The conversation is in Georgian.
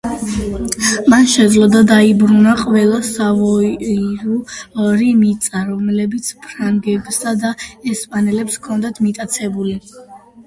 მან შეძლო და დაიბრუნა ყველა სავოიური მიწა, რომლებიც ფრანგებსა და ესპანელებს ჰქონდათ მიტაცებული.